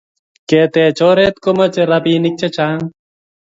Ketech oret komache rapinik che chang